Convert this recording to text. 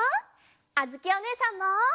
あづきおねえさんも。